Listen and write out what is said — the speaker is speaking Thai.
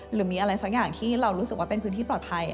หรือมีอะไรสักอย่างที่เรารู้สึกว่าเป็นพื้นที่ปลอดภัย